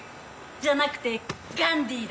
じゃなくてガンディーだ。